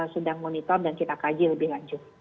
sedang monitor dan kita kaji lebih lanjut